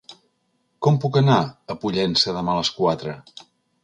Com puc anar a Pollença demà a les quatre?